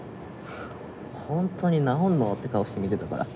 「本当に直るの？」って顔して見てたから。